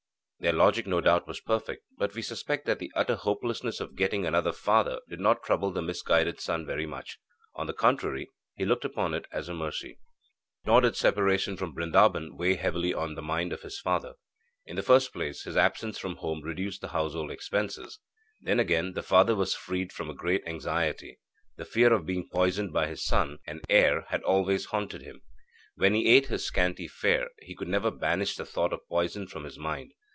Their logic no doubt was perfect, but we suspect that the utter hopelessness of getting another father did not trouble the misguided son very much. On the contrary, he looked upon it as a mercy. Nor did separation from Brindaban weigh heavily on the mind of his father. In the first place, his absence from home reduced the household expenses. Then, again, the father was freed from a great anxiety. The fear of being poisoned by his son and heir had always haunted him. When he ate his scanty fare, he could never banish the thought of poison from his mind.